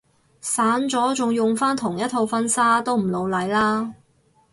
散咗仲用返同一套婚紗都唔老嚟啦